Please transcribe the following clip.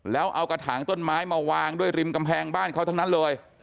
แล้วเอากระถางต้นไม้มาวางด้วยริมกำแพงบ้านเขาทั้งนั้นเลย